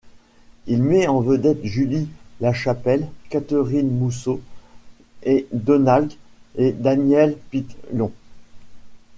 Il met en vedette Julie Lachapelle, Katerine Mousseau et Donald et Daniel Pilon.